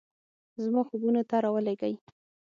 زما خوبونو ته راولیږئ